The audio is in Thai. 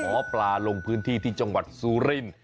หมอปลาลงพื้นที่ที่จังหวัดซูรินทร์